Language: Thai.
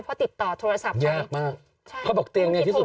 เพราะติดต่อโทรศัพท์ไปใช่ติดโทรไม่ติดเลยยากมากเขาบอกเตรียมนี้ที่สุด